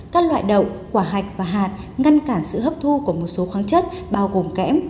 các loại đậu quả hạch và hạt ngăn cản sự hấp thu của một số khoáng chất bao gồm kẽm